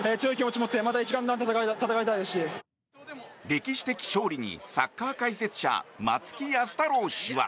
歴史的勝利にサッカー解説者松木安太郎氏は。